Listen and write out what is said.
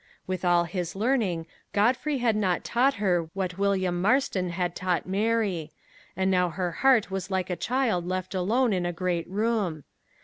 With all his learning, Godfrey had not taught her what William Marston had taught Mary; and now her heart was like a child left alone in a great room.